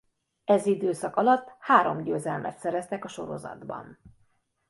Ez időszak alatt három győzelmet szereztek a sorozatban.